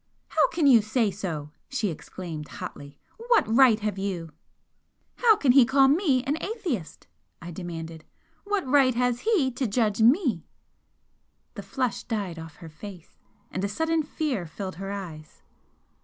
"How can you say so?" she exclaimed, hotly "What right have you " "How can he call ME an atheist?" I demanded "What right has HE to judge me?" The flush died off her face, and a sudden fear filled her eyes.